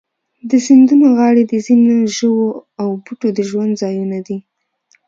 د سیندونو غاړې د ځینو ژوو او بوټو د ژوند ځایونه دي.